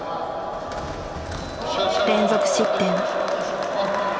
連続失点。